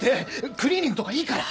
クリーニングとかいいから！